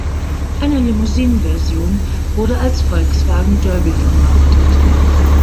Eine Limousinenversion wurde als Volkswagen Derby vermarktet.